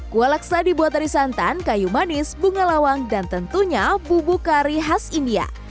kuah laksa dibuat dari santan kayu manis bunga lawang dan tentunya bubuk kari khas india